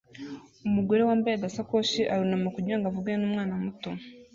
Umugore wambaye agasakoshi arunama kugira ngo avugane n'umwana muto